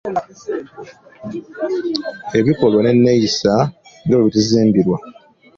Ebikolwa n’enneeyisa nga bwe bituzimbirwa